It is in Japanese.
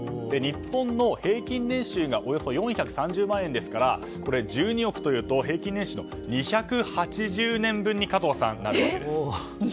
日本の平均年収がおよそ４３０万円ですから１２億というと平均年収の２８０年分に加藤さん、なるんです。